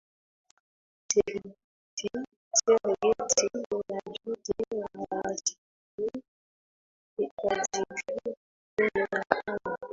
serengeti ina joto la wastani wa digrii kumi na tano